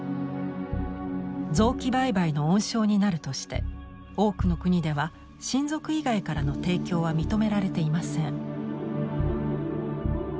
臓器売買の温床になるとして多くの国では親族以外からの提供は認められていません。